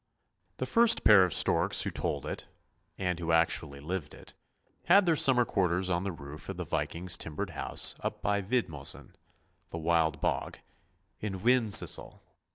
The first pair of storks who told it, and who actually lived it, had their summer quarters on the roof of the Viking's timbered house up by " Vidmosen " (the Wild Bog) in Wendsyssel.